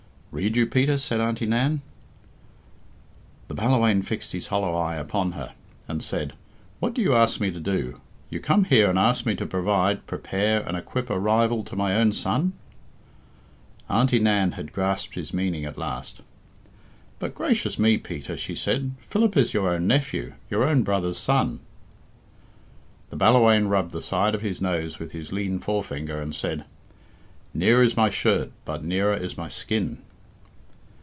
"Read you, Peter?" said Auntie Nan. The Ballawhaine fixed his hollow eye upon her, and said, "What do you ask me to do? You come here and ask me to provide, prepare, and equip a rival to my own son." Auntie Nan had grasped his meaning at last. "But gracious me, Peter," she said, "Philip is your own nephew, your own brother's son." The Ballawhaine rubbed the side of his nose with his lean forefinger, and said, "Near is my shirt, but nearer is my skin."